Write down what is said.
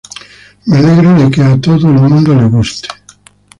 Me alegro de que a todo el mundo le guste".